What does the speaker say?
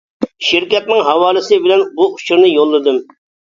شىركەتنىڭ ھاۋالىسى بىلەن بۇ ئۇچۇرنى يوللىدىم.